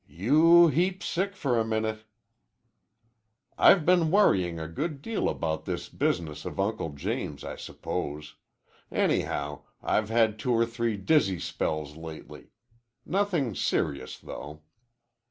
"You heap sick for minute." "I've been worrying a good deal about this business of Uncle James, I suppose. Anyhow, I've had two or three dizzy spells lately. Nothing serious, though."